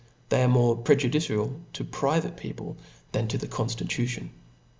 they are morp prejudicial to pri^^ate people than wMbe confti tlon.